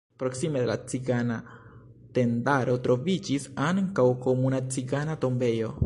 Proksime de la cigana tendaro troviĝis ankaŭ komuna cigana tombejo.